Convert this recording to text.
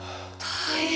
大変！